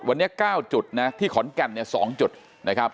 วันนี้๙จุดนะที่ขอนแก่นเนี่ย๒จุดนะครับ